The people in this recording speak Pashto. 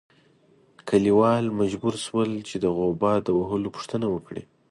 کلیوال مجبور شول چې د غوبه د وهلو پوښتنه وکړي.